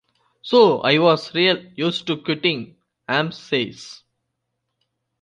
'So I was real used to quitting,' Arm says.